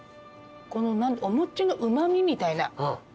このお餅のうま味みたいな。